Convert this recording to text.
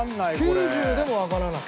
９０でもわからない。